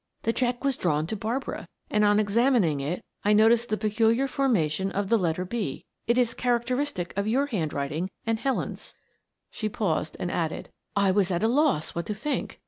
The check was drawn to Barbara, and on examining it I noticed the peculiar formation of the letter 'B'; it is characteristic of your handwriting and Helen's." She paused, and added: "I was at a loss what to think.